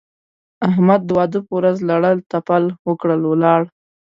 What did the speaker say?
احمد د واده په ورځ لړل تپل وکړل؛ ولاړ.